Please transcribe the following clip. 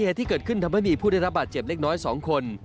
เหตุที่เกิดขึ้นทำให้มีผู้ได้รับบาดเจ็บเล็กน้อย๒คน